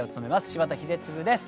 柴田英嗣です。